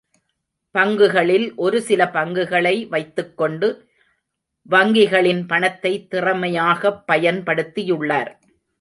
பங்குகளில் ஒரு சில பங்குகளை வைத்துக்கொண்டு வங்கிகளின் பணத்தை திறமையாகப் பயன்படுத்தியுள்ளார்.